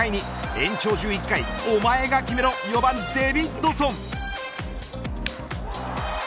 延長１１回おまえが決めろ４番デビッドソン。